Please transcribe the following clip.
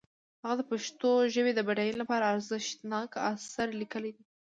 هغه د پښتو ژبې د بډاینې لپاره ارزښتناک آثار لیکلي دي.